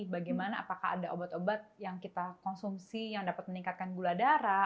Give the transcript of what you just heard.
bagaimana apakah ada obat obat yang kita konsumsi yang dapat meningkatkan gula darah